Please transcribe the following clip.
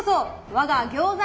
我が餃子